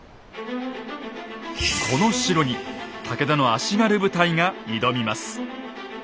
この城に武田の足軽部隊が挑みます。